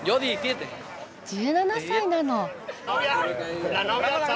１７歳なの。